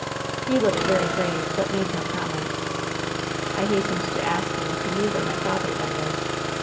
"He looked very grave, but made no comment. "I hastened to ask him if he knew where my father then was.